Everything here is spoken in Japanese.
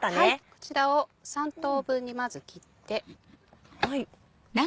こちらを３等分にまず切って。